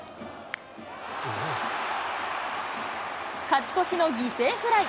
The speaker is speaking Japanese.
勝ち越しの犠牲フライ。